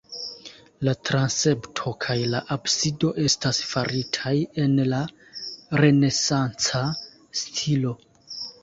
La transepto kaj la absido estas faritaj en la renesanca stilo.